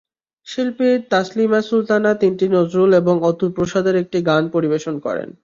শিল্পী তাসলিমা সুলতানা তিনটি নজরুল এবং অতুলপ্রসাদের একটি গান পরিবেশন করেন।